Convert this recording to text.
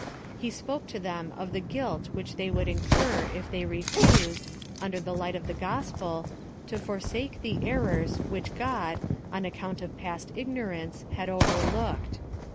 He spoke to them of the guilt which they would incur if they refused, under the light of the gospel, to forsake the errors, which God, on account of past ignorance, had overlooked.